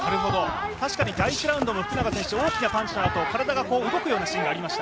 確かに第１ラウンドの福永選手、大きなパンチのあと、体が動くようなシーンがありました。